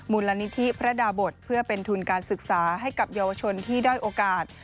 มูลนิธิพระดาบทเพื่อเป็นทุนการศึกษาให้กับเยาวชนที่ด้อยโอกาส